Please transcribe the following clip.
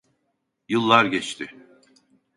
Yıllar geçti.